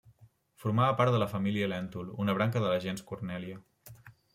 Formava part de la família Lèntul, una branca de la gens Cornèlia.